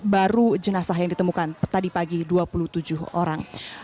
baru jenazah yang ditemukan tadi pagi dua puluh tujuh orang